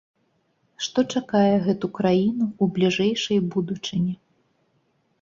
Што чакае гэты краіну ў бліжэйшай будучыні?